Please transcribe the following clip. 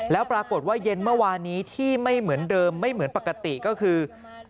แล้วปรากฏว่าเย็นเมื่อวานนี้ที่ไม่เหมือนเดิมไม่เหมือนปกติก็คือ